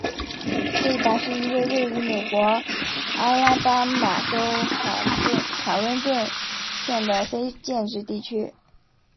贝达是一个位于美国阿拉巴马州卡温顿县的非建制地区。